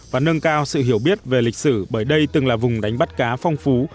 và nâng cao sự hiểu biết về lịch sử bởi đây từng là vùng đánh bắt cá phong phú